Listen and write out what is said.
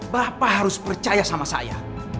bapak harus percaya sama saya